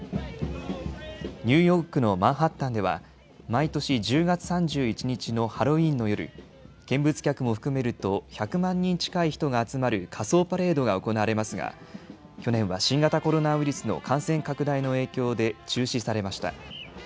ニューヨークのマンハッタンでは毎年１０月３１日のハロウィーンの夜、見物客も含めると１００万人近い人が集まる仮装パレードが行われますが去年は新型コロナウイルスの感染拡大の影響で中止されました。